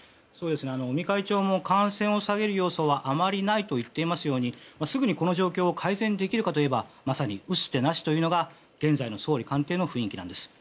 尾身会長も感染を下げる要素はあまりないと言っていますようにすぐにこの状況を改善できるかといえばまさに打つ手なしというのが現在の総理官邸の雰囲気なんです。